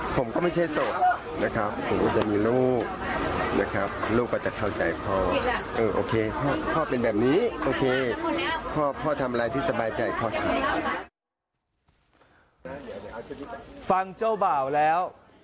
ฟังเจ้าบ่าวแล้ว